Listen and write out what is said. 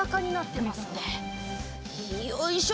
よいしょ。